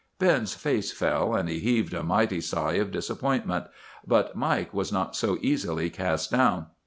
Ben's face fell, and he heaved a mighty sigh of disappointment. But Mike was not so easily cast down.